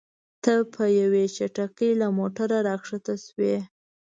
ته په یوې چټکۍ له موټره راښکته شوې.